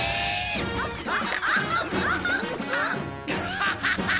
ハハハハハ！